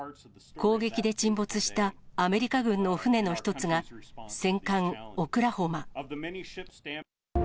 攻撃で沈没したアメリカ軍の船の一つが戦艦オクラホマ。